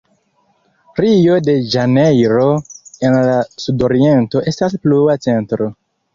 Rio-de-Ĵanejro en la sudoriento estas plua centro.